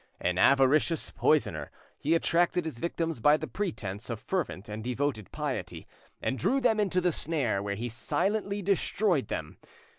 An avaricious poisoner, he attracted his victims by the pretence of fervent and devoted piety, and drew them into the snare where he silently destroyed them.